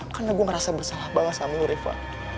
karena gue ngerasa bersalah banget sama lo reva